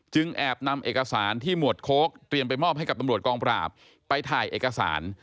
แอบนำเอกสารที่หมวดโค้กเตรียมไปมอบให้กับตำรวจกองปราบไปถ่ายเอกสาร